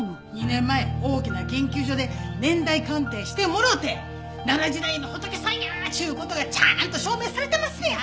２年前大きな研究所で年代鑑定してもろて奈良時代の仏さんやっちゅう事がちゃんと証明されてますねや！